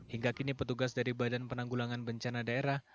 hingga kini petugas dari badan penanggulangan bencana daerah